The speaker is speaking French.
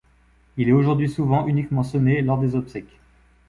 Il est aujourd’hui souvent uniquement sonné lors des obsèques.